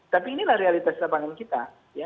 tapi inilah realitas lapangan kita